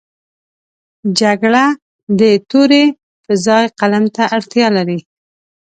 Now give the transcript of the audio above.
جګړه د تورې پر ځای قلم ته اړتیا لري